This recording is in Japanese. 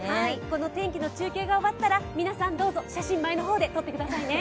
この天気の中継が終わったら皆さんどうぞ写真前の方で撮ってくださいね。